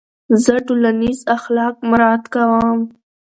زه ټولنیز اخلاق مراعت کوم.